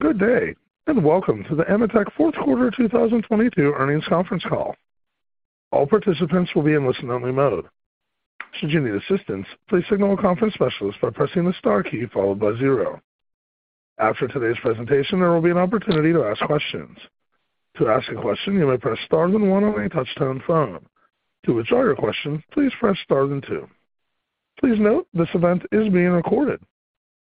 Good day, and welcome to the AMETEK Fourth Quarter 2022 Earnings Conference Call. All participants will be in listen-only mode. Should you need assistance, please signal a conference specialist by pressing the star key followed by 0. After today's presentation, there will be an opportunity to ask questions. To ask a question, you may press Star then 1 on any touchtone phone. To withdraw your question, please press Star then 2. Please note this event is being recorded.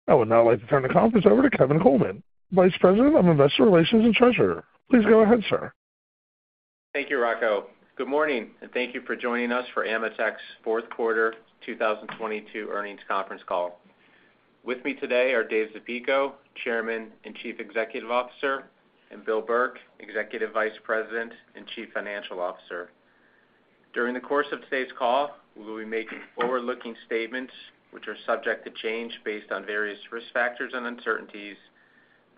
I would now like to turn the conference over to Kevin Coleman, Vice President of Investor Relations and Treasurer. Please go ahead, sir. Thank you, Rocco. Good morning, and thank you for joining us for AMETEK's fourth quarter 2022 earnings conference call. With me today are David Zapico, Chairman and Chief Executive Officer, and William J. Burke, Executive Vice President and Chief Financial Officer. During the course of today's call, we will be making forward-looking statements, which are subject to change based on various risk factors and uncertainties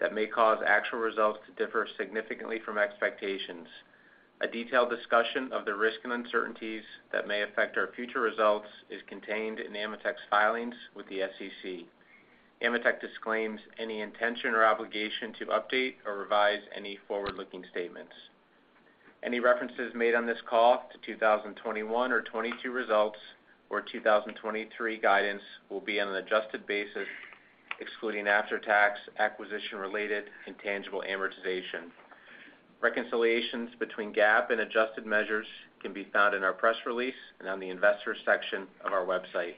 that may cause actual results to differ significantly from expectations. A detailed discussion of the risks and uncertainties that may affect our future results is contained in AMETEK's filings with the SEC. AMETEK disclaims any intention or obligation to update or revise any forward-looking statements. Any references made on this call to 2021 or 2022 results or 2023 guidance will be on an adjusted basis, excluding after-tax acquisition-related intangible amortization. Reconciliations between GAAP and adjusted measures can be found in our press release and on the investor section of our website.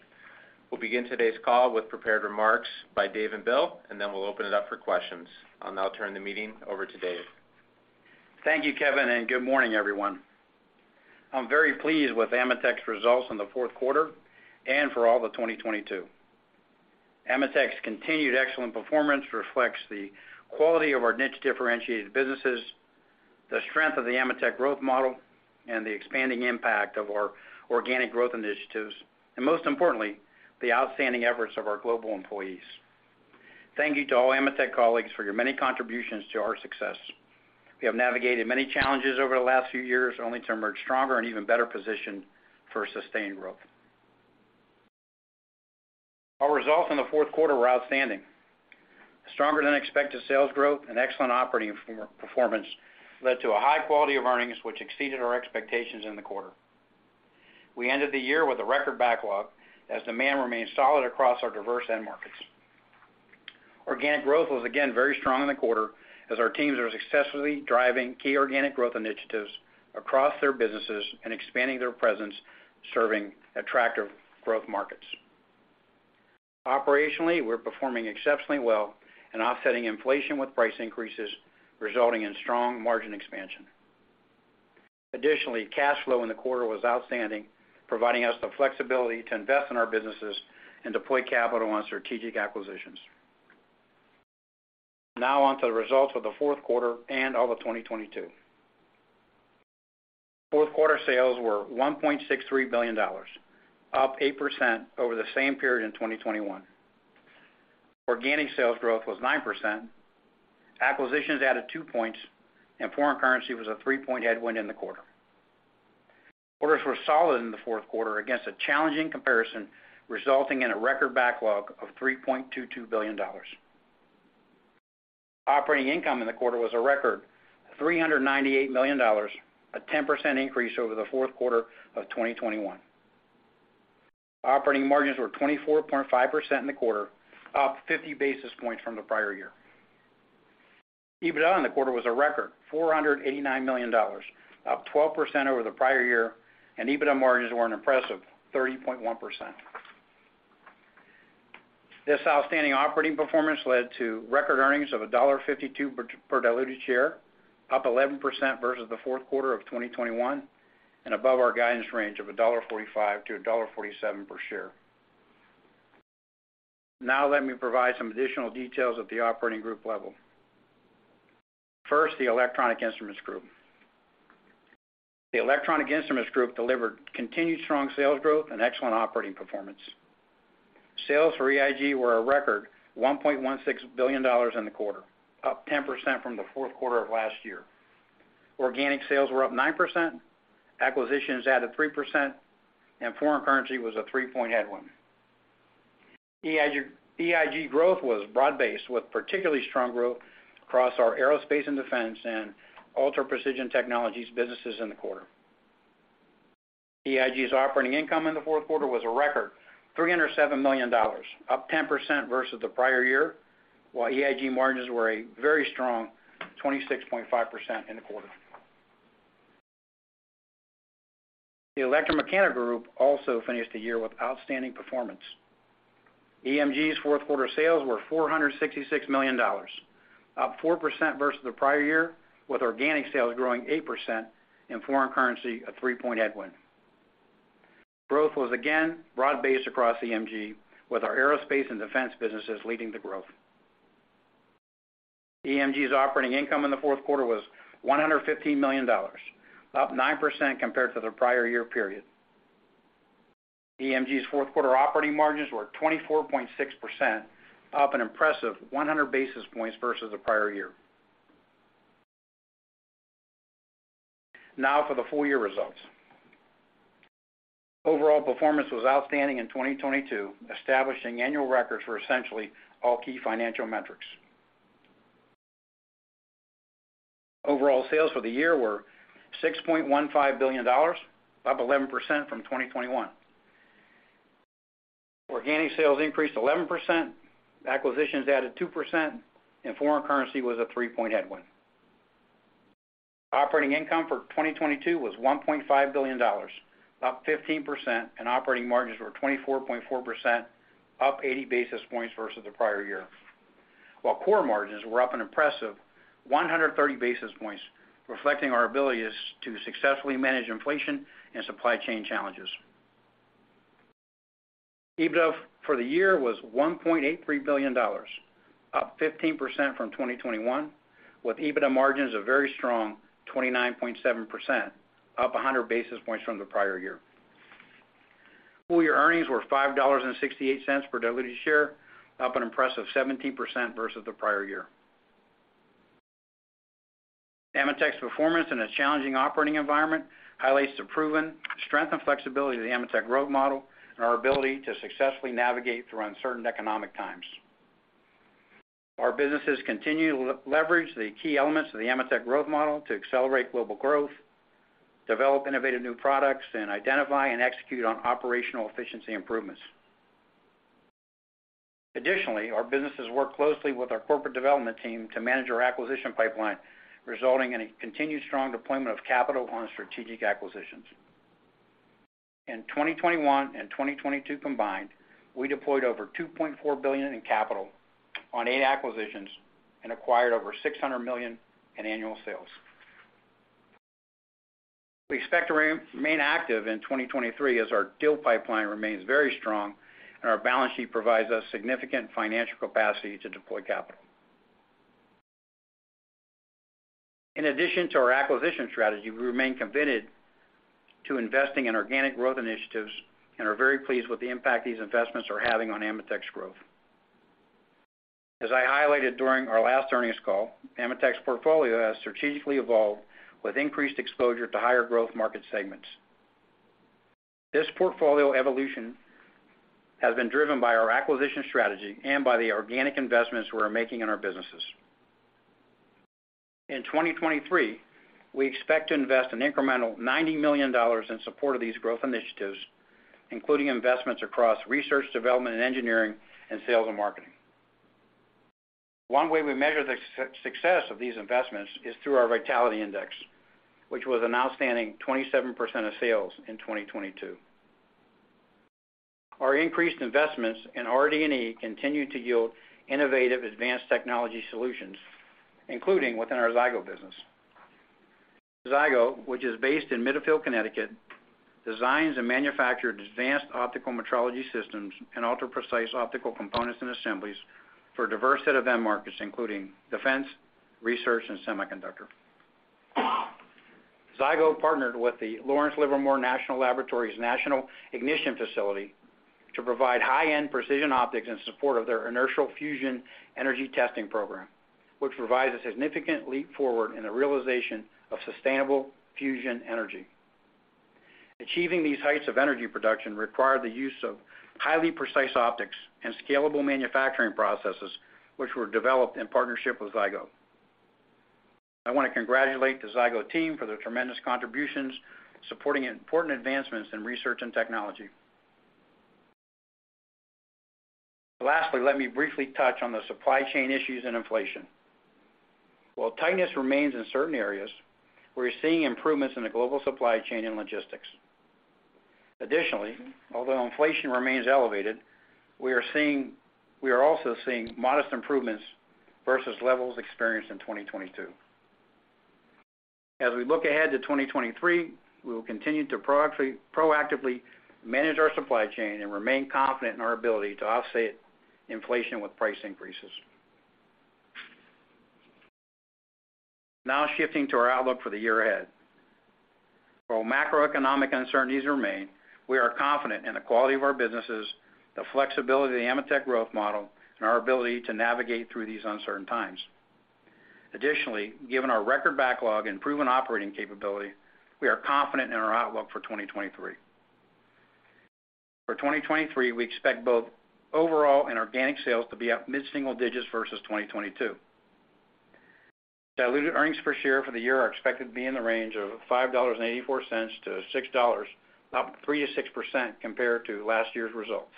We'll begin today's call with prepared remarks by Dave and Bill, and then we'll open it up for questions. I'll now turn the meeting over to Dave. Thank you, Kevin. Good morning, everyone. I'm very pleased with AMETEK's results in the fourth quarter and for all of 2022. AMETEK's continued excellent performance reflects the quality of our niche differentiated businesses, the strength of the AMETEK growth model, and the expanding impact of our organic growth initiatives, and most importantly, the outstanding efforts of our global employees. Thank you to all AMETEK colleagues for your many contributions to our success. We have navigated many challenges over the last few years, only to emerge stronger and even better positioned for sustained growth. Our results in the fourth quarter were outstanding. Stronger-than-expected sales growth and excellent operating performance led to a high quality of earnings, which exceeded our expectations in the quarter. We ended the year with a record backlog as demand remained solid across our diverse end markets. Organic growth was again very strong in the quarter as our teams are successfully driving key organic growth initiatives across their businesses and expanding their presence, serving attractive growth markets. Operationally, we're performing exceptionally well and offsetting inflation with price increases, resulting in strong margin expansion. Additionally, cash flow in the quarter was outstanding, providing us the flexibility to invest in our businesses and deploy capital on strategic acquisitions. Now on to the results of the fourth quarter and all of 2022. Fourth quarter sales were $1.63 billion, up 8% over the same period in 2021. Organic sales growth was 9%, acquisitions added 2 points, and foreign currency was a 3-point headwind in the quarter. Orders were solid in the fourth quarter against a challenging comparison, resulting in a record backlog of $3.22 billion. Operating income in the quarter was a record $398 million, a 10% increase over the fourth quarter of 2021. Operating margins were 24.5% in the quarter, up 50 basis points from the prior year. EBITDA in the quarter was a record $489 million, up 12% over the prior year. EBITDA margins were an impressive 30.1%. This outstanding operating performance led to record earnings of $1.52 per diluted share, up 11% versus the fourth quarter of 2021, and above our guidance range of $1.45-$1.47 per share. Let me provide some additional details at the operating group level. First, the Electronic Instruments Group. The Electronic Instruments Group delivered continued strong sales growth and excellent operating performance. Sales for EIG were a record $1.16 billion in the quarter, up 10% from the fourth quarter of last year. Organic sales were up 9%, acquisitions added 3%, and foreign currency was a 3-point headwind. EIG growth was broad-based, with particularly strong growth across our aerospace and defense and Ultra Precision Technologies businesses in the quarter. EIG's operating income in the fourth quarter was a record $307 million, up 10% versus the prior year, while EIG margins were a very strong 26.5% in the quarter. The Electromechanical Group also finished the year with outstanding performance. EMG's fourth quarter sales were $466 million, up 4% versus the prior year, with organic sales growing 8% and foreign currency a 3-point headwind. Growth was again broad-based across EMG, with our aerospace and defense businesses leading the growth. EMG's operating income in the fourth quarter was $115 million, up 9% compared to the prior year period. EMG's fourth quarter operating margins were 24.6%, up an impressive 100 basis points versus the prior year. For the full year results. Overall performance was outstanding in 2022, establishing annual records for essentially all key financial metrics. Overall sales for the year were $6.15 billion, up 11% from 2021. Organic sales increased 11%, acquisitions added 2%, and foreign currency was a 3-point headwind. Operating income for 2022 was $1.5 billion, up 15%, and operating margins were 24.4%, up 80 basis points versus the prior year, while core margins were up an impressive 130 basis points, reflecting our abilities to successfully manage inflation and supply chain challenges. EBITDA for the year was $1.83 billion, up 15% from 2021, with EBITDA margins a very strong 29.7%, up 100 basis points from the prior year. Full year earnings were $5.68 per diluted share, up an impressive 17% versus the prior year. AMETEK's performance in a challenging operating environment highlights the proven strength and flexibility of the AMETEK growth model and our ability to successfully navigate through uncertain economic times. Our businesses continue to leverage the key elements of the AMETEK growth model to accelerate global growth, develop innovative new products, and identify and execute on operational efficiency improvements. Additionally, our businesses work closely with our corporate development team to manage our acquisition pipeline, resulting in a continued strong deployment of capital on strategic acquisitions. In 2021 and 2022 combined, we deployed over $2.4 billion in capital on eight acquisitions and acquired over $600 million in annual sales. We expect to remain active in 2023 as our deal pipeline remains very strong and our balance sheet provides us significant financial capacity to deploy capital. In addition to our acquisition strategy, we remain committed to investing in organic growth initiatives and are very pleased with the impact these investments are having on AMETEK's growth. As I highlighted during our last earnings call, AMETEK's portfolio has strategically evolved with increased exposure to higher growth market segments. This portfolio evolution has been driven by our acquisition strategy and by the organic investments we're making in our businesses. In 2023, we expect to invest an incremental $90 million in support of these growth initiatives, including investments across research, development, and engineering and sales and marketing. One way we measure the success of these investments is through our Vitality Index, which was an outstanding 27% of sales in 2022. Our increased investments in RD&E continue to yield innovative advanced technology solutions, including within our Zygo business. Zygo, which is based in Middlefield, Connecticut, designs and manufactures advanced optical metrology systems and ultra-precise optical components and assemblies for a diverse set of end markets, including defense, research, and semiconductor. Zygo partnered with the Lawrence Livermore National Laboratory National Ignition Facility to provide high-end precision optics in support of their inertial fusion energy testing program, which provides a significant leap forward in the realization of sustainable fusion energy. Achieving these heights of energy production required the use of highly precise optics and scalable manufacturing processes, which were developed in partnership with Zygo. I want to congratulate the Zygo team for their tremendous contributions, supporting important advancements in research and technology. Lastly, let me briefly touch on the supply chain issues and inflation. While tightness remains in certain areas, we're seeing improvements in the global supply chain and logistics. Additionally, although inflation remains elevated, we are also seeing modest improvements versus levels experienced in 2022. As we look ahead to 2023, we will continue to proactively manage our supply chain and remain confident in our ability to offset inflation with price increases. Shifting to our outlook for the year ahead. While macroeconomic uncertainties remain, we are confident in the quality of our businesses, the flexibility of the AMETEK growth model, and our ability to navigate through these uncertain times. Given our record backlog and proven operating capability, we are confident in our outlook for 2023. For 2023, we expect both overall and organic sales to be up mid-single digits versus 2022. Diluted earnings per share for the year are expected to be in the range of $5.84-$6.00, up 3%-6% compared to last year's results.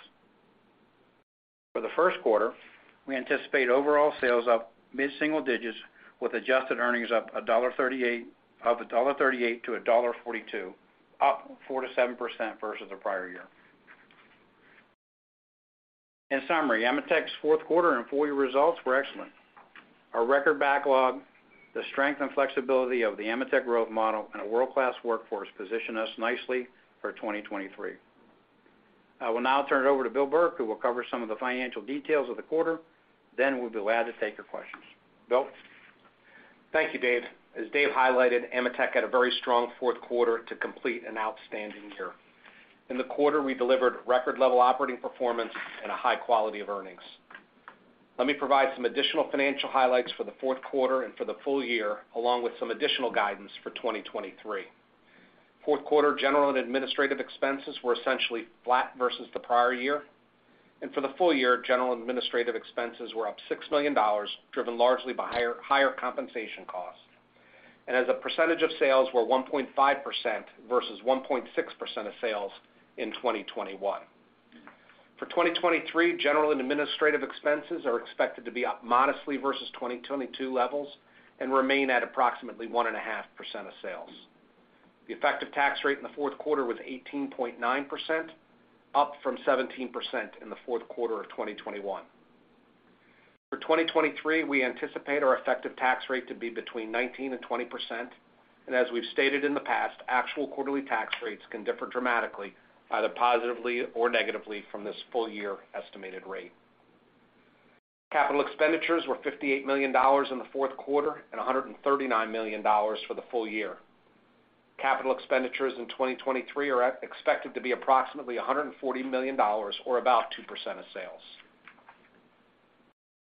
For the first quarter, we anticipate overall sales up mid-single digits with adjusted earnings of $1.38 to $1.42, up 4% to 7% versus the prior year. AMETEK's fourth quarter and full year results were excellent. Our record backlog, the strength and flexibility of the AMETEK growth model, and a world-class workforce position us nicely for 2023. I will now turn it over to Bill Burke, who will cover some of the financial details of the quarter, we'll be glad to take your questions. Bill? Thank you, Dave. As Dave highlighted, AMETEK had a very strong fourth quarter to complete an outstanding year. In the quarter, we delivered record level operating performance and a high quality of earnings. Let me provide some additional financial highlights for the fourth quarter and for the full year, along with some additional guidance for 2023. Fourth quarter general and administrative expenses were essentially flat versus the prior year. For the full year, general and administrative expenses were up $6 million, driven largely by higher compensation costs, and as a percentage of sales were 1.5% versus 1.6% of sales in 2021. For 2023, general and administrative expenses are expected to be up modestly versus 2022 levels and remain at approximately 1.5% of sales. The effective tax rate in the fourth quarter was 18.9%, up from 17% in the fourth quarter of 2021. For 2023, we anticipate our effective tax rate to be between 19% and 20%. As we've stated in the past, actual quarterly tax rates can differ dramatically, either positively or negatively from this full year estimated rate. Capital expenditures were $58 million in the fourth quarter and $139 million for the full year. Capital expenditures in 2023 are expected to be approximately $140 million or about 2% of sales.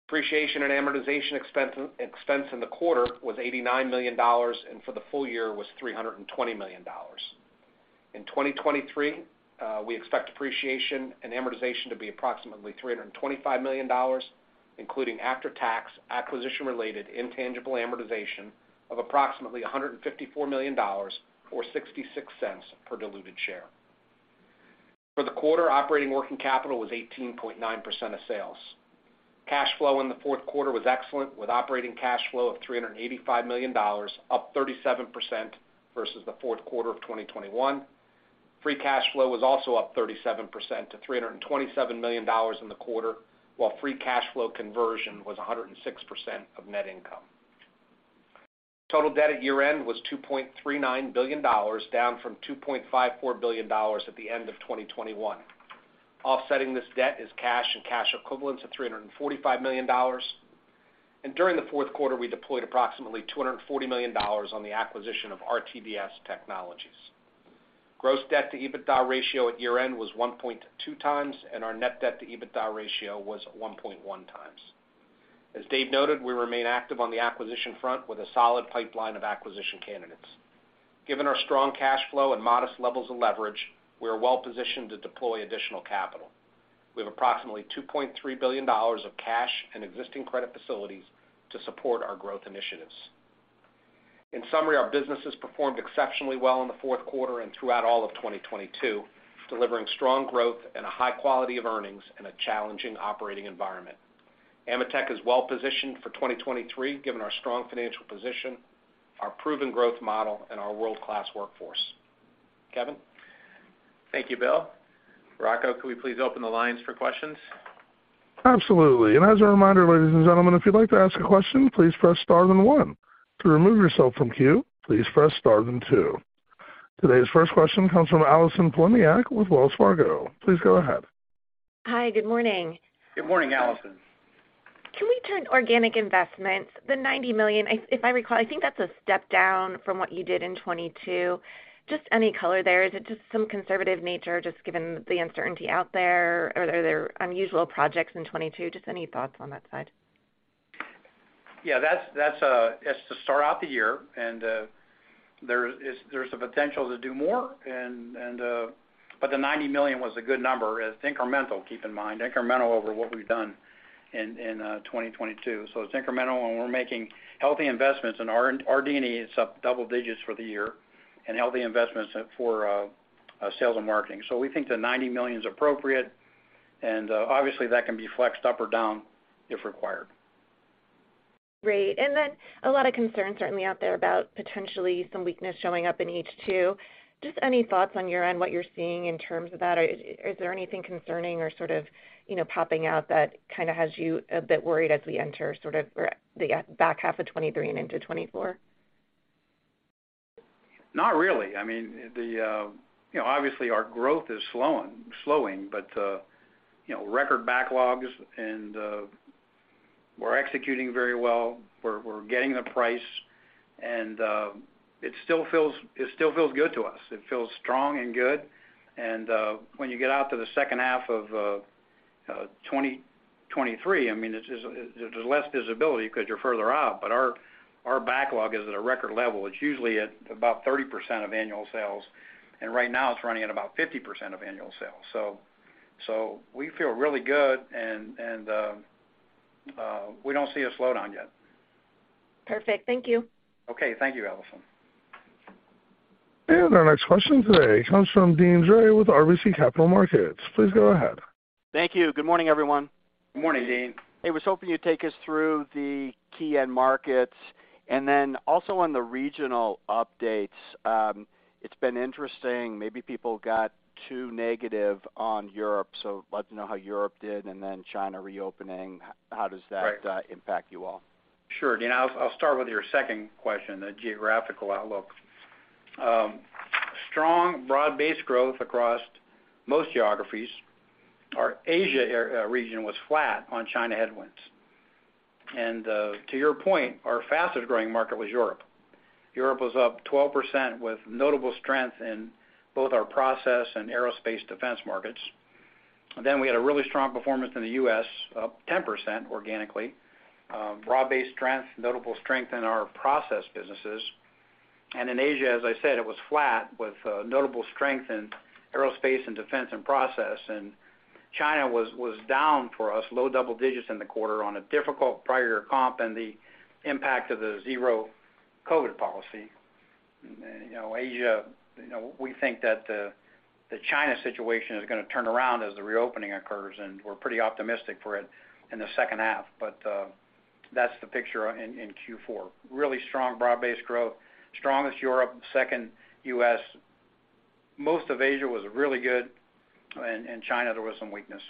Depreciation and amortization expense in the quarter was $89 million, and for the full year was $320 million. In 2023, we expect depreciation and amortization to be approximately $325 million, including after-tax acquisition-related intangible amortization of approximately $154 million or $0.66 per diluted share. For the quarter, operating working capital was 18.9% of sales. Cash flow in the fourth quarter was excellent, with operating cash flow of $385 million, up 37% versus the fourth quarter of 2021. Free cash flow was also up 37% to $327 million in the quarter, while free cash flow conversion was 106% of net income. Total debt at year-end was $2.39 billion, down from $2.54 billion at the end of 2021. Offsetting this debt is cash and cash equivalents of $345 million. During the fourth quarter, we deployed approximately $240 million on the acquisition of RTDS Technologies. Gross debt to EBITDA ratio at year-end was 1.2x, and our net debt to EBITDA ratio was 1.1x. As Dave noted, we remain active on the acquisition front with a solid pipeline of acquisition candidates. Given our strong cash flow and modest levels of leverage, we are well positioned to deploy additional capital. We have approximately $2.3 billion of cash and existing credit facilities to support our growth initiatives. In summary, our businesses performed exceptionally well in the fourth quarter and throughout all of 2022, delivering strong growth and a high quality of earnings in a challenging operating environment. AMETEK is well positioned for 2023, given our strong financial position, our proven growth model, and our world-class workforce. Kevin? Thank you, Bill. Rocco, could we please open the lines for questions? Absolutely. As a reminder, ladies and gentlemen, if you'd like to ask a question, please press star then one. To remove yourself from queue, please press star then two. Today's first question comes from Allison Poliniak with Wells Fargo. Please go ahead. Hi. Good morning. Good morning, Allison. Can we turn organic investments, the $90 million, if I recall, I think that's a step down from what you did in 2022? Just any color there, is it just some conservative nature just given the uncertainty out there, or are there unusual projects in 2022? Just any thoughts on that side? Yeah, that's it's to start out the year and there's a potential to do more and the $90 million was a good number. It's incremental, keep in mind, incremental over what we've done in 2022. It's incremental, and we're making healthy investments in R&D. RD&E is up double digits for the year and healthy investments for sales and marketing. We think the $90 million is appropriate and obviously that can be flexed up or down if required. Great. A lot of concern certainly out there about potentially some weakness showing up in H2. Just any thoughts on your end, what you're seeing in terms of that? Or is there anything concerning or popping out that kinda has you a bit worried as we enter the back half of 2023 and into 2024? Not really. I mean, the obviously our growth is slowing., record backlogs and, we're executing very well. We're getting the price and, it still feels good to us. It feels strong and good. When you get out to the second half of 2023, I mean, it's, there's less visibility because you're further out. Our backlog is at a record level. It's usually at about 30% of annual sales, and right now it's running at about 50% of annual sales. We feel really good and, we don't see a slowdown yet. Perfect. Thank you. Okay. Thank you, Allison. Our next question today comes from Deane Dray Thank you. Good morning, everyone. Good morning, Deane. Hey, was hoping you'd take us through the key end markets, and then also on the regional updates. It's been interesting. Maybe people got too negative on Europe, so love to know how Europe did, and then China reopening, how does that. Right. impact you all? Sure. Deane, I'll start with your second question, the geographical outlook. Strong broad-based growth across most geographies. Our Asia region was flat on China headwinds. To your point, our fastest-growing market was Europe. Europe was up 12% with notable strength in both our process and aerospace defense markets. We had a really strong performance in the U.S., up 10% organically. Broad-based strength, notable strength in our process businesses. In Asia, as I said, it was flat with notable strength in aerospace and defense and process. China was down for us, low double digits in the quarter on a difficult prior comp and the impact of the zero-COVID policy., Asia, we think that the China situation is gonna turn around as the reopening occurs, and we're pretty optimistic for it in the second half. That's the picture in Q4. Really strong broad-based growth. Strongest Europe, second U.S. Most of Asia was really good, in China, there was some weakness.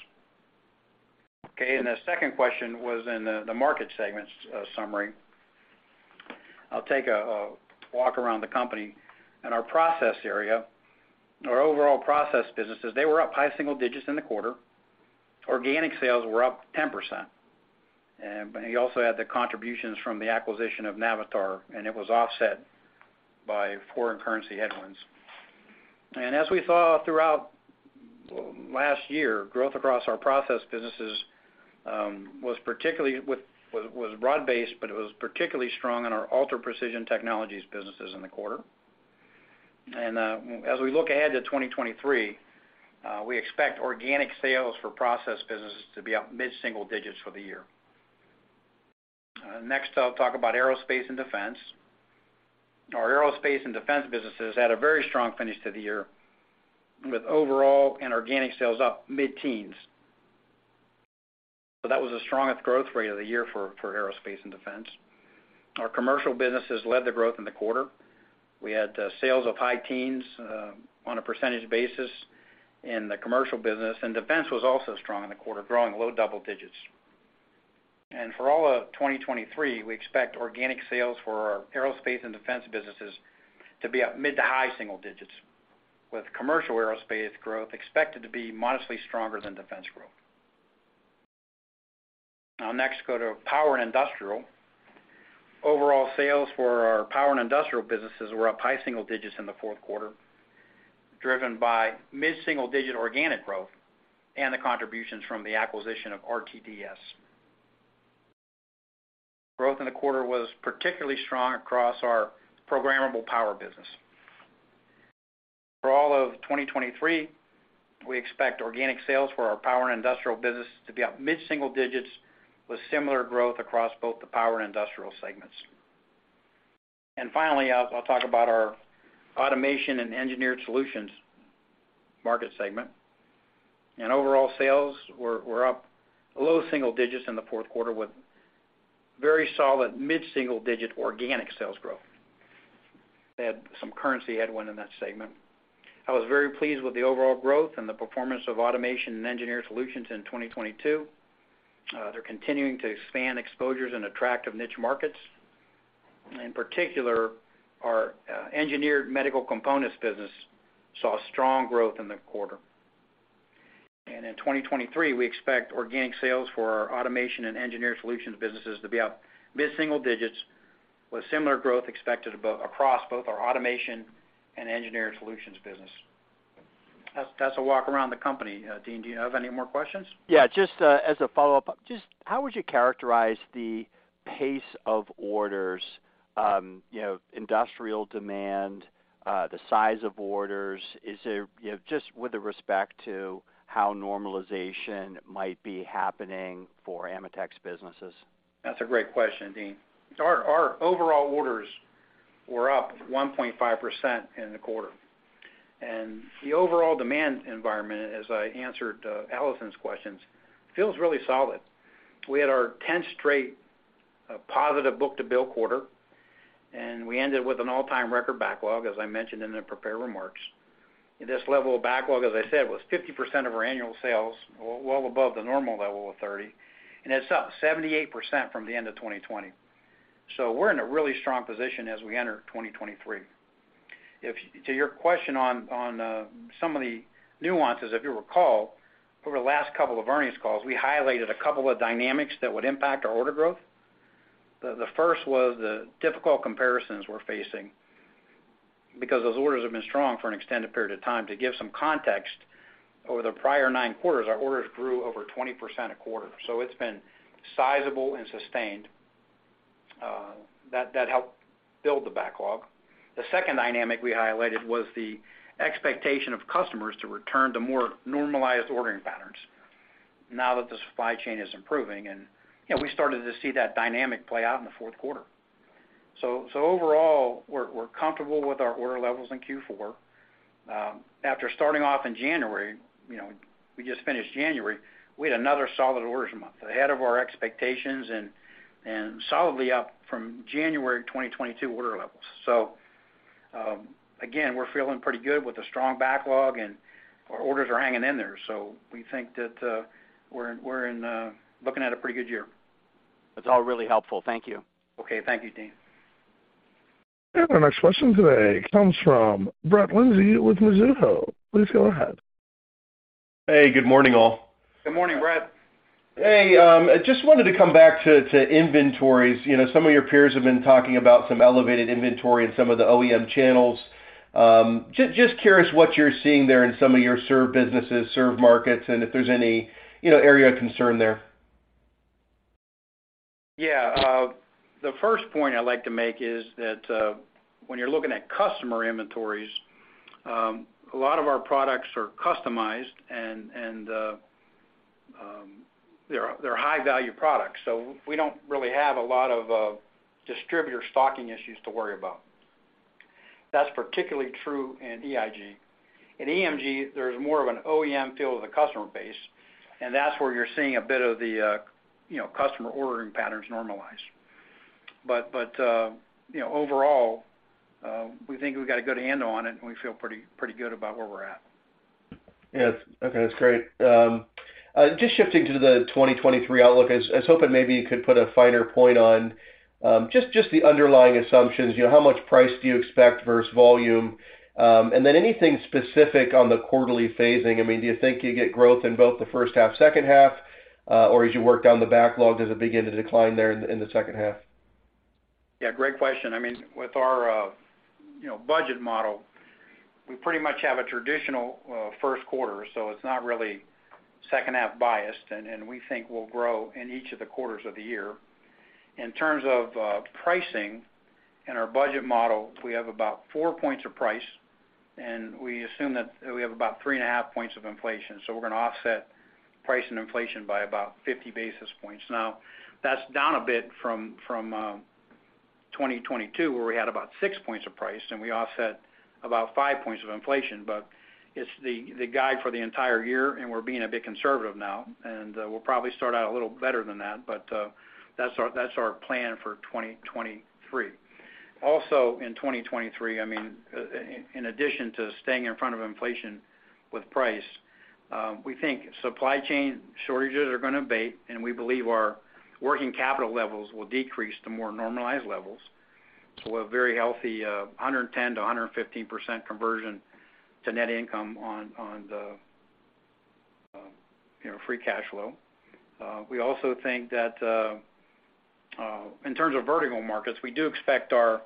The second question was in the market segments summary. I'll take a walk around the company. In our process area, our overall process businesses, they were up high single digits in the quarter. Organic sales were up 10%. We also had the contributions from the acquisition of Navitar, and it was offset by foreign currency headwinds. As we saw throughout last year, growth across our process businesses was particularly broad-based, but it was particularly strong in our Ultra Precision Technologies businesses in the quarter. As we look ahead to 2023, we expect organic sales for process businesses to be up mid-single digits for the year. Next, I'll talk about aerospace and defense. Our aerospace and defense businesses had a very strong finish to the year, with overall and organic sales up mid-teens. That was the strongest growth rate of the year for aerospace and defense. Our commercial businesses led the growth in the quarter. We had sales of high teens on a % basis in the commercial business, and defense was also strong in the quarter, growing low double digits. For all of 2023, we expect organic sales for our aerospace and defense businesses to be up mid to high single digits, with commercial aerospace growth expected to be modestly stronger than defense growth. I'll next go to power and industrial. Overall sales for our power and industrial businesses were up high single digits in the fourth quarter, driven by mid-single digit organic growth and the contributions from the acquisition of RTDS. Growth in the quarter was particularly strong across our Programmable Power business. For all of 2023, we expect organic sales for our power and industrial business to be up mid-single digits, with similar growth across both the power and industrial segments. Finally, I'll talk about our Automation and Engineered Solutions market segment. Overall sales were up low single digits in the fourth quarter with very solid mid-single digit organic sales growth. They had some currency headwind in that segment. I was very pleased with the overall growth and the performance of Automation and Engineered Solutions in 2022. They're continuing to expand exposures in attractive niche markets. In particular, our engineered medical components business saw strong growth in the quarter. In 2023, we expect organic sales for our automation and engineered solutions businesses to be up mid-single digits, with similar growth expected across both our automation and engineered solutions business. That's a walk around the company. Deane, do you have any more questions? Yeah. Just as a follow-up, just how would you characterize the pace of orders industrial demand, the size of orders? Is there just with respect to how normalization might be happening for AMETEK's businesses? That's a great question, Deane Dray. Our overall orders were up 1.5% in the quarter. The overall demand environment, as I answered Allison Poliniak's questions, feels really solid. We had our 10th straight positive book-to-bill quarter, and we ended with an all-time record backlog, as I mentioned in the prepared remarks. This level of backlog, as I said, was 50% of our annual sales, well above the normal level of 30, and it's up 78% from the end of 2020. We're in a really strong position as we enter 2023. To your question on some of the nuances, if you'll recall, over the last couple of earnings calls, we highlighted a couple of dynamics that would impact our order growth. The first was the difficult comparisons we're facing because those orders have been strong for an extended period of time. To give some context, over the prior 9 quarters, our orders grew over 20% a quarter. It's been sizable and sustained. That helped build the backlog. The second dynamic we highlighted was the expectation of customers to return to more normalized ordering patterns now that the supply chain is improving., we started to see that dynamic play out in the fourth quarter. Overall, we're comfortable with our order levels in Q4. After starting off in january we just finished January, we had another solid orders month ahead of our expectations and solidly up from January 2022 order levels. Again, we're feeling pretty good with the strong backlog, and our orders are hanging in there. We think that we're in looking at a pretty good year. That's all really helpful. Thank you. Okay. Thank you, Deane. Our next question today comes from Brett Linzey with Mizuho. Please go ahead. Hey, good morning, all. Good morning, Brett. Hey, I just wanted to come back to inventories., some of your peers have been talking about some elevated inventory in some of the OEM channels. Just curious what you're seeing there in some of your served businesses, served markets, and if there's any area of concern there. Yeah, the first point I'd like to make is that when you're looking at customer inventories, a lot of our products are customized and they're high-value products. We don't really have a lot of distributor stocking issues to worry about. That's particularly true in EIG. In EMG, there's more of an OEM feel of the customer base, and that's where you're seeing a bit of the customer ordering patterns normalize., overall, we think we've got a good handle on it and we feel pretty good about where we're at. Yes. Okay, that's great. just shifting to the 2023 outlook. I was hoping maybe you could put a finer point on just the underlying assumptions., how much price do you expect versus volume? Then anything specific on the quarterly phasing. I mean, do you think you get growth in both the first half, second half, or as you work down the backlog, does it begin to decline there in the second half? Yeah, great question. I mean, with our budget model, we pretty much have a traditional first quarter, so it's not really second half biased, and we think we'll grow in each of the quarters of the year. In terms of pricing in our budget model, we have about 4 points of price, and we assume that we have about 3 and a half points of inflation. We're gonna offset price and inflation by about 50 basis points. Now, that's down a bit from 2022, where we had about 6 points of price and we offset about 5 points of inflation. It's the guide for the entire year, and we're being a bit conservative now, and we'll probably start out a little better than that, but that's our plan for 2023. Also, in 2023, I mean, in addition to staying in front of inflation with price, we think supply chain shortages are gonna abate and we believe our working capital levels will decrease to more normalized levels. A very healthy 110%-115% conversion to net income on the free cash flow. We also think that, in terms of vertical markets, we do expect our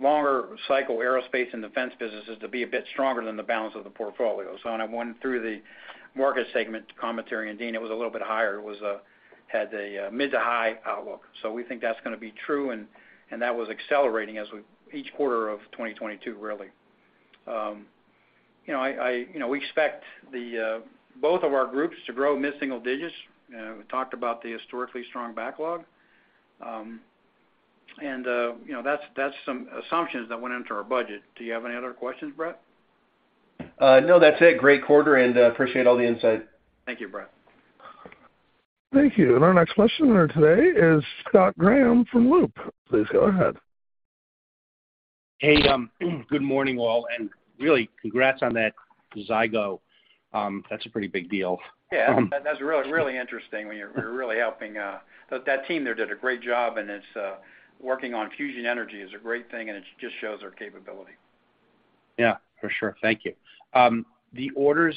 longer cycle aerospace and defense businesses to be a bit stronger than the balance of the portfolio. When I went through the market segment commentary, and Deane, it was a little bit higher. It was, had a mid to high outlook. We think that's gonna be true, and that was accelerating as each quarter of 2022 really. , I..., we expect the both of our groups to grow mid-single digits. We talked about the historically strong backlog., that's some assumptions that went into our budget. Do you have any other questions, Brett? no, that's it. Great quarter and appreciate all the insight. Thank you, Brett. Thank you. Our next question today is Scott Graham from Loop Capital Markets. Please go ahead. Hey, good morning, all. Really congrats on that Zygo. That's a pretty big deal. Yeah. That's really, really interesting. We're really helping. That team there did a great job, and it's working on fusion energy is a great thing and it just shows our capability. Yeah, for sure. Thank you. The orders,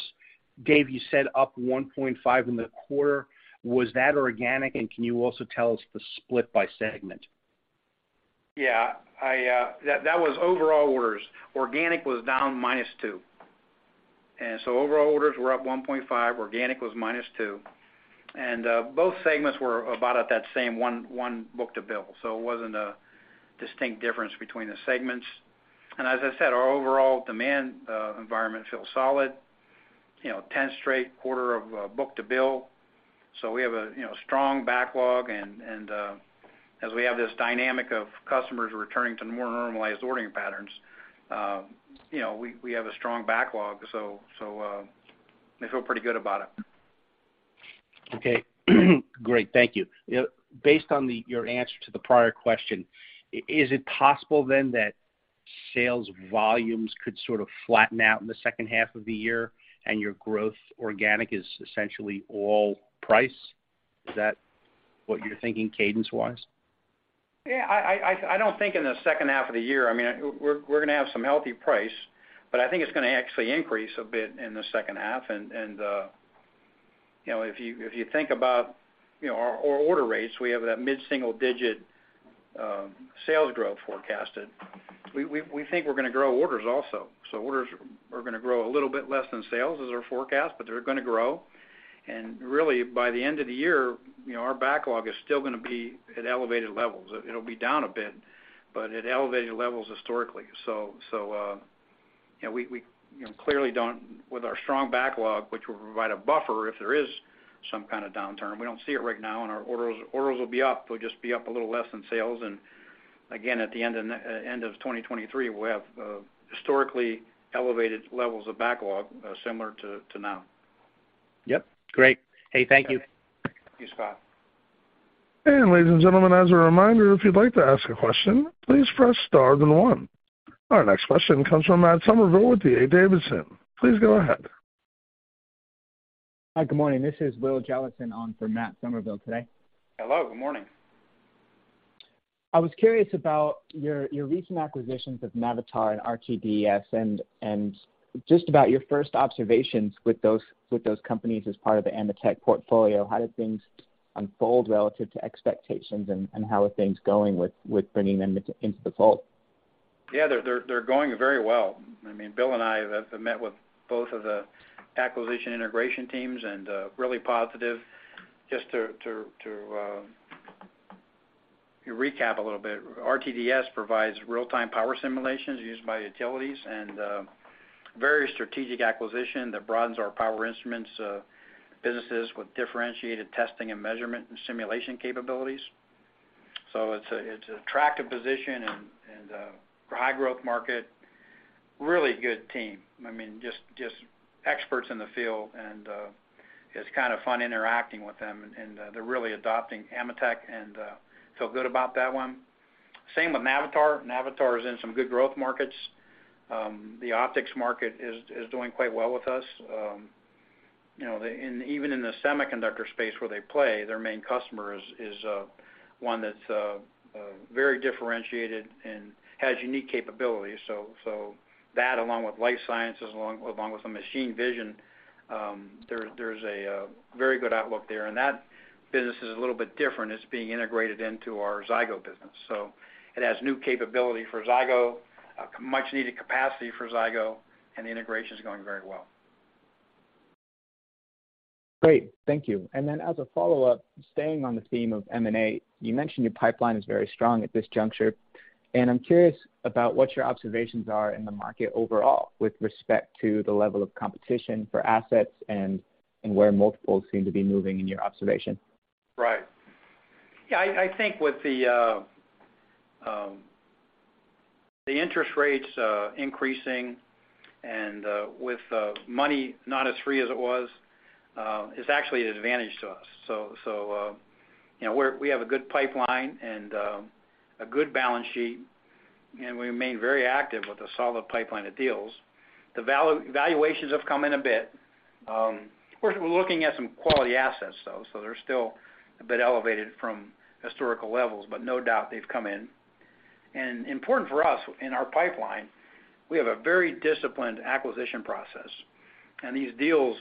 Dave, you said up 1.5 in the quarter. Was that organic? Can you also tell us the split by segment? Yeah. I That was overall orders. Organic was down minus 2. Overall orders were up 1.5, organic was minus 2. Both segments were about at that same one book-to-bill. It wasn't a distinct difference between the segments. As I said, our overall demand environment feels solid., tenth straight quarter of book-to-bill. We have a strong backlog and as we have this dynamic of customers returning to more normalized ordering patterns we have a strong backlog, so I feel pretty good about it. Okay. Great. Thank you. Based on your answer to the prior question, is it possible then that sales volumes could sort of flatten out in the second half of the year and your growth organic is essentially all price? Is that what you're thinking cadence-wise? I don't think in the second half of the year. I mean, we're gonna have some healthy price, but I think it's gonna actually increase a bit in the second half., if you, if you think about our order rates, we have that mid-single digit sales growth forecasted. We think we're gonna grow orders also. Orders are gonna grow a little bit less than sales as our forecast, but they're gonna grow. Really by the end of the year our backlog is still gonna be at elevated levels. It'll be down a bit, but at elevated levels historically., we clearly don't... With our strong backlog, which will provide a buffer if there is some kind of downturn, we don't see it right now, our orders will be up. We'll just be up a little less than sales. Again, at the end of 2023, we'll have historically elevated levels of backlog, similar to now. Yep. Great. Hey, thank you. Thank you, Scott. Ladies and gentlemen, as a reminder, if you'd like to ask a question, please press star then one. Our next question comes from Matt Sumerville with D.A. Davidson. Please go ahead. Hi, good morning. This is Will Jellison on for Matthew Summerville today. Hello, good morning. I was curious about your recent acquisitions of Navitar and RTDS and just about your first observations with those, with those companies as part of the AMETEK portfolio. How did things unfold relative to expectations, and how are things going with bringing them into the fold? Yeah, they're going very well. I mean, Bill and I have met with both of the acquisition integration teams and really positive. Just to recap a little bit, RTDS provides real-time power simulations used by utilities and very strategic acquisition that broadens our power instruments businesses with differentiated testing and measurement and simulation capabilities. It's a, it's attractive position and high growth market. Really good team. I mean, just experts in the field and it's kind of fun interacting with them. They're really adopting AMETEK, and feel good about that one. Same with Navitar. Navitar is in some good growth markets. The optics market is doing quite well with us., and even in the semiconductor space where they play, their main customer is one that's very differentiated and has unique capabilities. That along with life sciences, along with the machine vision, there's a very good outlook there. That business is a little bit different. It's being integrated into our Zygo business. It has new capability for Zygo, a much needed capacity for Zygo, and the integration is going very well. Great. Thank you. As a follow-up, staying on the theme of M&A, you mentioned your pipeline is very strong at this juncture. I'm curious about what your observations are in the market overall with respect to the level of competition for assets and where multiples seem to be moving in your observation. Right. Yeah, I think with the interest rates increasing and with money not as free as it was, is actually an advantage to us., we have a good pipeline and a good balance sheet, and we remain very active with a solid pipeline of deals. The valuations have come in a bit. Of course, we're looking at some quality assets though, so they're still a bit elevated from historical levels, but no doubt they've come in. Important for us in our pipeline, we have a very disciplined acquisition process. These deals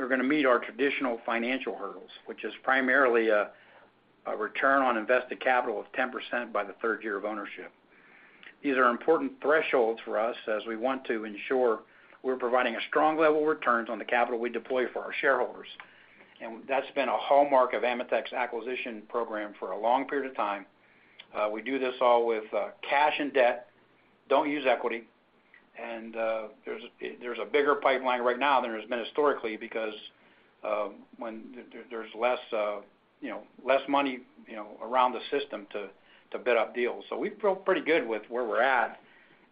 are gonna meet our traditional financial hurdles, which is primarily a return on invested capital of 10% by the third year of ownership. These are important thresholds for us as we want to ensure we're providing a strong level of returns on the capital we deploy for our shareholders. That's been a hallmark of AMETEK's acquisition program for a long period of time. We do this all with cash and debt, don't use equity. There's a bigger pipeline right now than there's been historically because when there's less less money around the system to bid up deals. We feel pretty good with where we're at.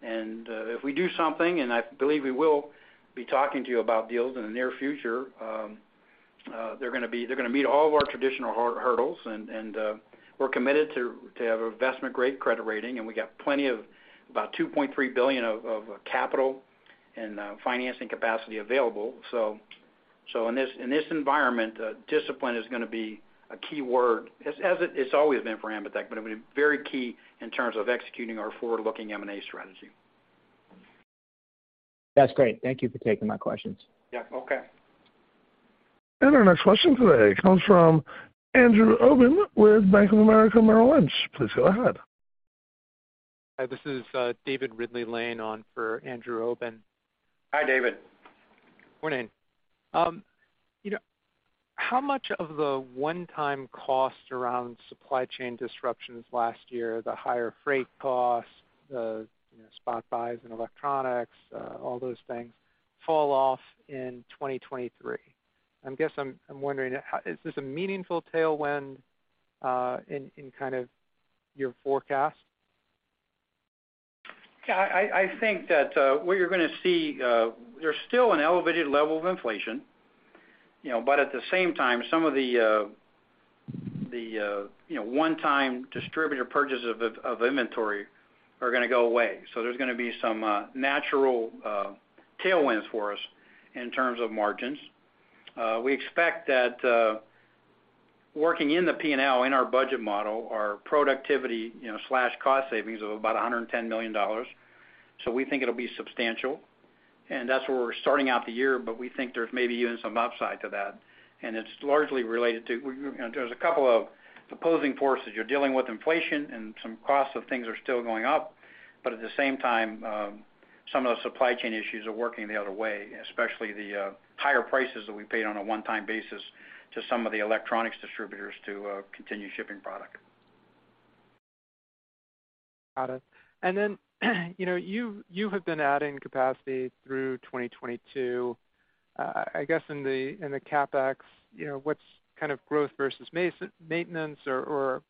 If we do something, and I believe we will be talking to you about deals in the near future, they're gonna meet all of our traditional hurdles. We're committed to have investment-grade credit rating, and we got plenty of about $2.3 billion of capital and financing capacity available. In this environment, discipline is gonna be a key word. It's always been for AMETEK, but it'll be very key in terms of executing our forward-looking M&A strategy. That's great. Thank you for taking my questions. Yeah. Okay. Our next question today comes from Andrew Obin with Bank of America Merrill Lynch. Please go ahead. Hi, this is David Ridley-Lane on for Andrew Obin. Hi, David. Morning., how much of the one-time cost around supply chain disruptions last year, the higher freight costs, the spot buys and electronics, all those things fall off in 2023? I guess I'm wondering how is this a meaningful tailwind in kind of your forecast? Yeah, I think that what you're gonna see, there's still an elevated level of inflation,. At the same time, some of the one-time distributor purchase of inventory are gonna go away. There's gonna be some natural tailwinds for us in terms of margins. We expect that working in the P&L in our budget model, our productivity slash cost savings of about $110 million. We think it'll be substantial. That's where we're starting out the year, but we think there's maybe even some upside to that. It's largely related to there's a couple of opposing forces. You're dealing with inflation and some costs of things are still going up. At the same time, some of the supply chain issues are working the other way, especially the higher prices that we paid on a one-time basis to some of the electronics distributors to continue shipping product. Got it. then you have been adding capacity through 2022. I guess in the capex what's kind of growth versus maintenance or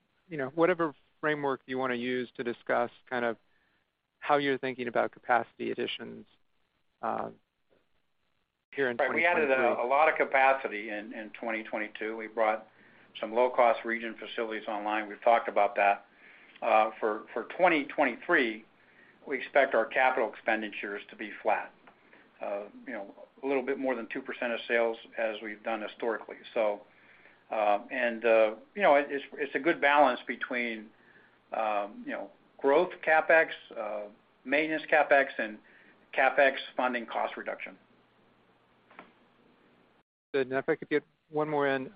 whatever framework you wanna use to discuss kind of how you're thinking about capacity additions here in 2022? We added a lot of capacity in 2022. We brought some low-cost region facilities online. We've talked about that. For 2023, we expect our capital expenditures to be flat., a little bit more than 2% of sales as we've done historically., it's a good balance between growth CapEx, maintenance CapEx, and CapEx funding cost reduction. Good. If I could get one more in,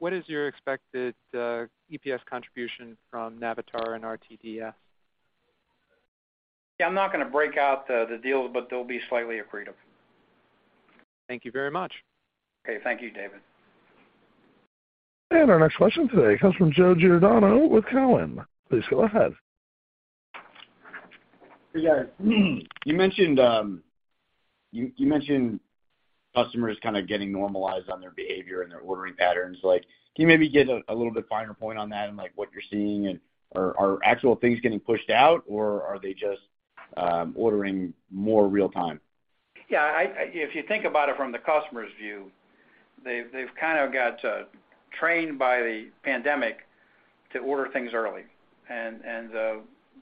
what is your expected EPS contribution from Navitar and RTDS? Yeah, I'm not gonna break out the deals, but they'll be slightly accretive. Thank you very much. Okay. Thank you, David. Our next question today comes from Joe Giordano with Cowen. Please go ahead. Hey, guys. You mentioned customers kind of getting normalized on their behavior and their ordering patterns. Like, can you maybe give a little bit finer point on that and, like, what you're seeing and are actual things getting pushed out or are they just ordering more real time? Yeah, I if you think about it from the customer's view, they've kind of got trained by the pandemic to order things early.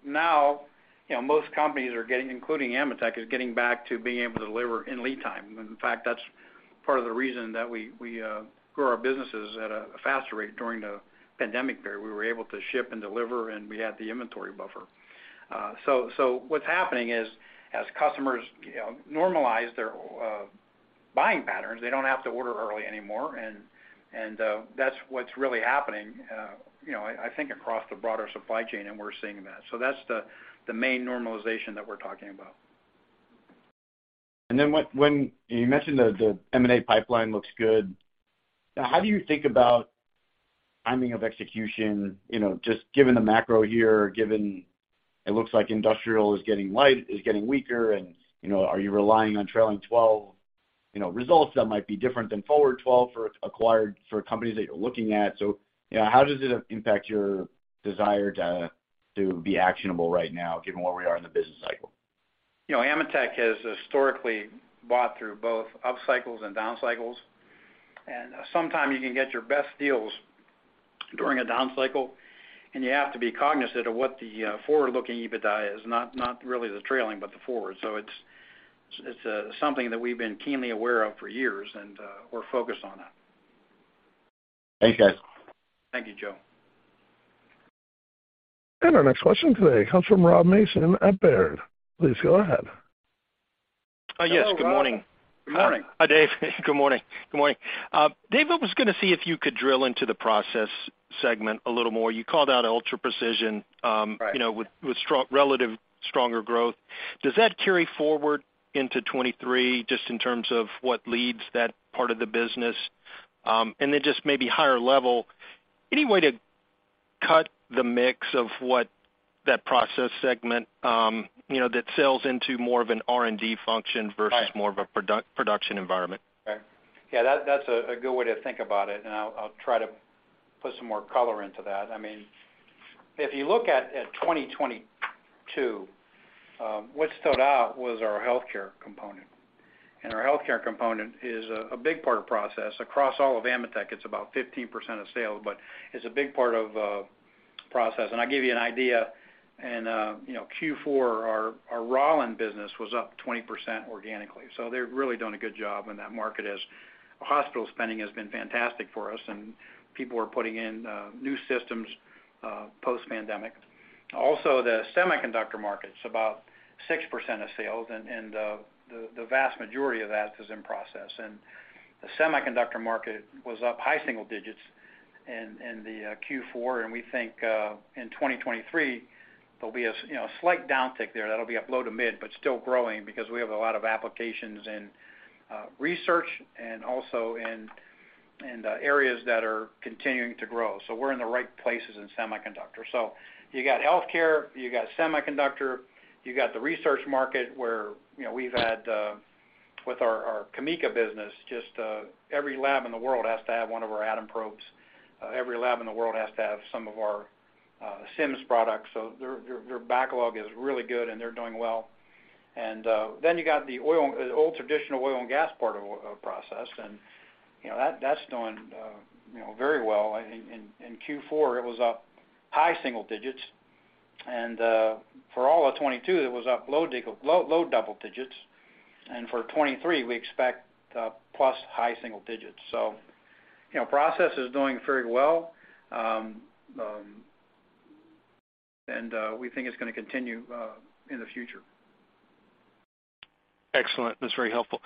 now most companies are getting, including AMETEK, is getting back to being able to deliver in lead time. In fact, that's part of the reason that we grew our businesses at a faster rate during the pandemic period. We were able to ship and deliver, and we had the inventory buffer. What's happening is, as customers normalize their buying patterns, they don't have to order early anymore. That's what's really happening I think across the broader supply chain, and we're seeing that. That's the main normalization that we're talking about. What -- when you mentioned the M&A pipeline looks good, how do you think about timing of execution just given the macro here, given it looks like industrial is getting light, is getting weaker, and are you relying on trailing 12 results that might be different than forward 12 for companies that you're looking at?, how does it impact your desire to be actionable right now given where we are in the business cycle?, AMETEK has historically bought through both up cycles and down cycles. Sometime you can get your best deals during a down cycle. You have to be cognizant of what the forward-looking EBITDA is, not really the trailing, but the forward. It's something that we've been keenly aware of for years. We're focused on it. Thanks, guys. Thank you, Joe. Our next question today comes from Robert Mason at Baird. Please go ahead. Yes. Good morning. Good morning. Hi, Dave. Good morning. Good morning. Dave, I was gonna see if you could drill into the process segment a little more. You called out Ultra Precision. Right..., with relative stronger growth. Does that carry forward into 2023 just in terms of what leads that part of the business? Then just maybe higher level, any way to cut the mix of what that process segment that sells into more of an R&D function Right... versus more of a production environment? Right. Yeah, that's a good way to think about it, and I'll try to put some more color into that. I mean, if you look at 2022, what stood out was our healthcare component. Our healthcare component is a big part of process. Across all of AMETEK, it's about 15% of sales, but it's a big part of process. I'll give you an idea. in Q4, our Rauland business was up 20% organically. They're really doing a good job in that market as hospital spending has been fantastic for us, and people are putting in new systems post-pandemic. The semiconductor market is about 6% of sales, and the vast majority of that is in process. The semiconductor market was up high single digits in the Q4. We think, in 2023, there'll be a a slight downtick there. That'll be up low to mid, but still growing because we have a lot of applications in research and also in areas that are continuing to grow. We're in the right places in semiconductor. You got healthcare, you got semiconductor, you got the research market where we've had with our CAMECA business, just every lab in the world has to have one of our atom probes. Every lab in the world has to have some of our SIMS products. Their backlog is really good, and they're doing well. You got the oil, old traditional oil and gas part of process., that's doing very well. In Q4, it was up high single digits. For all of 2022, it was up low double digits. For 2023, we expect + high single digits. , process is doing very well. We think it's gonna continue in the future. Excellent. That's very helpful.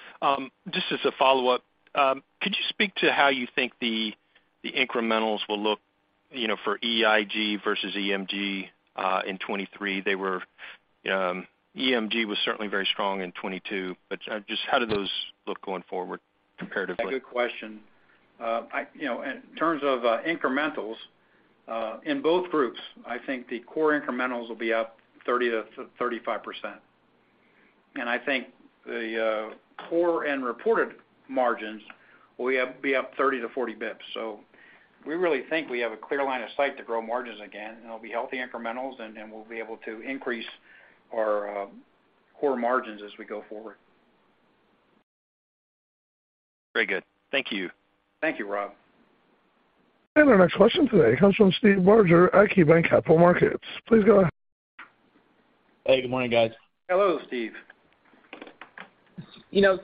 Just as a follow-up, could you speak to how you think the incrementals will look for EIG versus EMG, in 2023? They were, EMG was certainly very strong in 2022, but, just how do those look going forward comparatively? A good question. , in terms of incrementals, in both groups, I think the core incrementals will be up 30%-35%. I think the core and reported margins will be up 30 to 40 basis points. We really think we have a clear line of sight to grow margins again, and it'll be healthy incrementals, and then we'll be able to increase our core margins as we go forward. Very good. Thank you. Thank you, Rob. Our next question today comes from Steve Barger at KeyBanc Capital Markets. Please go ahead. Hey, good morning, guys. Hello, Steve.,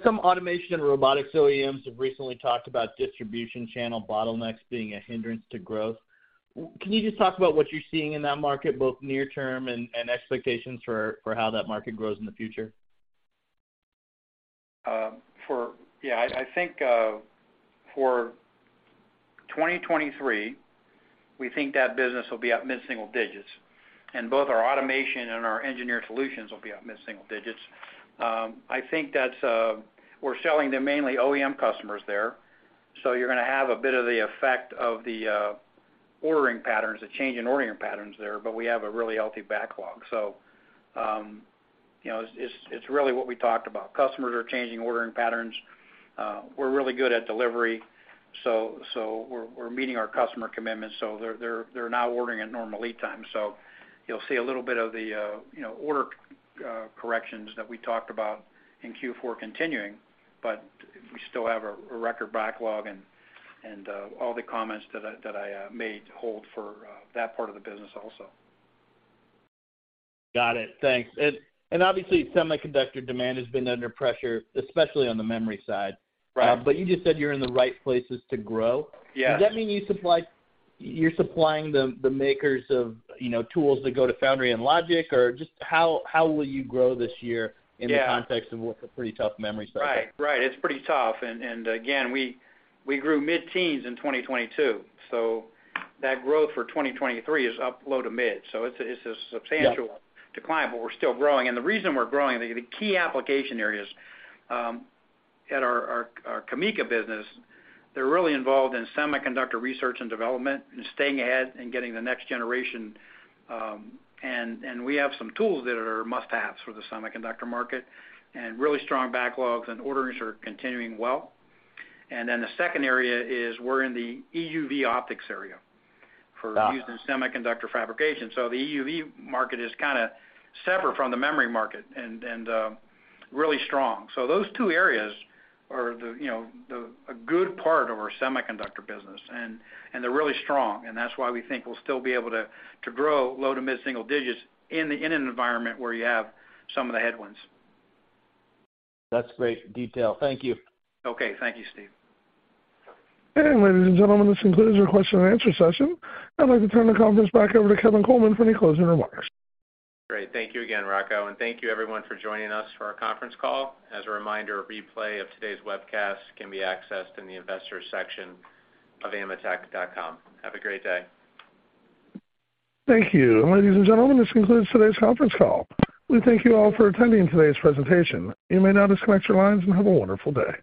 some automation and robotics OEMs have recently talked about distribution channel bottlenecks being a hindrance to growth. Can you just talk about what you're seeing in that market, both near term and expectations for how that market grows in the future? For 2023, I think that business will be up mid-single digits, and both our automation and our engineered solutions will be up mid-single digits. I think that's, we're selling to mainly OEM customers there, so you're gonna have a bit of the effect of the ordering patterns, the change in ordering patterns there, but we have a really healthy backlog., it's really what we talked about. Customers are changing ordering patterns. We're really good at delivery, so we're meeting our customer commitments, so they're now ordering at normal lead time. You'll see a little bit of the order, corrections that we talked about in Q4 continuing, but we still have a record backlog and, all the comments that I made hold for, that part of the business also. Got it. Thanks. Obviously semiconductor demand has been under pressure, especially on the memory side. Right. You just said you're in the right places to grow. Yeah. Does that mean you're supplying the makers of tools that go to Foundry and Logic, or just how will you grow this year? Yeah... in the context of what's a pretty tough memory sector? Right. Right. It's pretty tough. Again, we grew mid-teens in 2022, so that growth for 2023 is up low to mid. It's a substantial- Yeah... decline, but we're still growing. The reason we're growing, the key application areas, at our CAMECA business, they're really involved in semiconductor research and development and staying ahead and getting the next generation, and we have some tools that are must-haves for the semiconductor market and really strong backlogs and orders are continuing well. The second area is we're in the EUV optics area for- Got it.... use in semiconductor fabrication. The EUV market is kinda separate from the memory market and really strong. Those two areas are a good part of our semiconductor business and they're really strong, and that's why we think we'll still be able to grow low to mid-single digits in an environment where you have some of the headwinds. That's great detail. Thank you. Okay. Thank you, Steve. Ladies and gentlemen, this concludes our question and answer session. I'd like to turn the conference back over to Kevin Coleman for any closing remarks. Great. Thank you again, Rocco, thank you everyone for joining us for our conference call. As a reminder, a replay of today's webcast can be accessed in the investors section of ametek.com. Have a great day. Thank you. Ladies and gentlemen, this concludes today's conference call. We thank you all for attending today's presentation. You may now disconnect your lines and have a wonderful day.